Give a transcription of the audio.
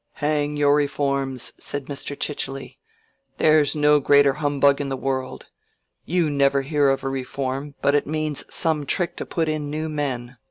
"Hang your reforms!" said Mr. Chichely. "There's no greater humbug in the world. You never hear of a reform, but it means some trick to put in new men.